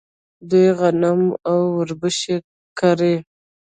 دوی غنم او وربشې کري.